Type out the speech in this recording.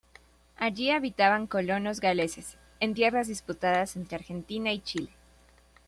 Allí habitaban colonos galeses en tierras disputadas entre Argentina y Chile.